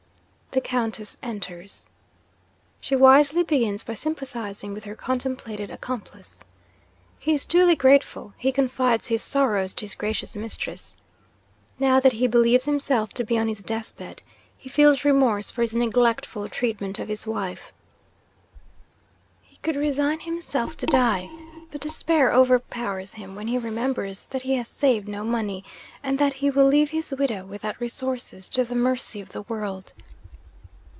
The Countess enters. 'She wisely begins by sympathising with her contemplated accomplice. He is duly grateful; he confides his sorrows to his gracious mistress. Now that he believes himself to be on his death bed, he feels remorse for his neglectful treatment of his wife. He could resign himself to die; but despair overpowers him when he remembers that he has saved no money, and that he will leave his widow, without resources, to the mercy of the world.